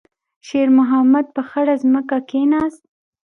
شېرمحمد په خړه ځمکه کېناست.